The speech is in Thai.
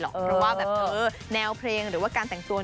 เพราะว่าแบบแนวเพลงหรือว่าการแต่งตัว